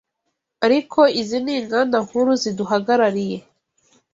ariko izi ninganda nkuru ziduhagarariye